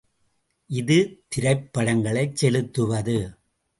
இது திரைப்படங்களைச் செலுத்துவது.